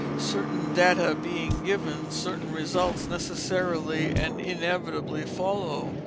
Certain _data _being given, certain results necessarily and inevitably follow.